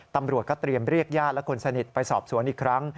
ตำรวจก็เตรียมเรียกญาติและคนสนิทไปสอบสวนอีกครั้ง